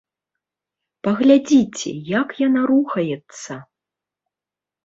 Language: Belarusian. Паглядзіце, як яна рухаецца!